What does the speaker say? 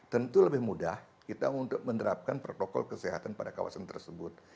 tentu lebih mudah kita untuk menerapkan protokol kesehatan pada kawasan tersebut